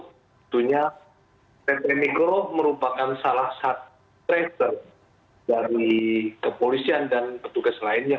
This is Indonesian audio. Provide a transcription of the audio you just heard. tentunya ppkm mikro merupakan salah satu tracer dari kepolisian dan petugas lainnya